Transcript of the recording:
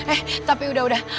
eh tapi udah udah